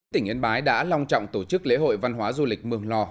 tỉnh yên bái đã long trọng tổ chức lễ hội văn hóa du lịch mường lò